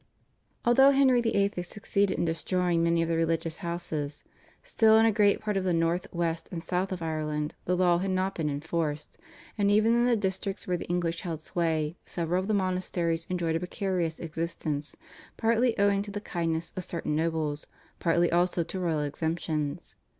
Although Henry VIII. had succeeded in destroying many of the religious houses, still in a great part of the North, West, and South of Ireland the law had not been enforced, and even in the districts where the English held sway several of the monasteries enjoyed a precarious existence, partly owing to the kindness of certain noblemen, partly also to royal exemptions.